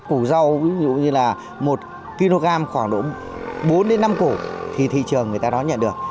củ rau ví dụ như là một kg khoảng độ bốn đến năm cổ thì thị trường người ta nó nhận được